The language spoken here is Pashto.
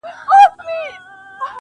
خالقه خدايه ستا د نُور د نقدس نښه ده~